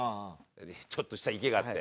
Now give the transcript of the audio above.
ちょっとした池があって。